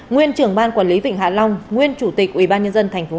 nguyên trưởng ban quản lý vịnh hạ long nguyên chủ tịch ủy ban nhân dân thành phố hạ long